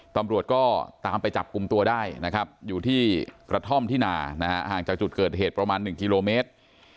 ตำรวจก็ตามไปจับกลุ่มตัวได้นะครับอยู่ที่กระท่อมที่นานะฮะห่างจากจุดเกิดเหตุประมาณ๑กิโลเมตร